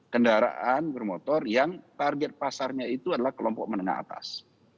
kendaraan bermotor yang target pasarnya itu adalah kelompok menengah atas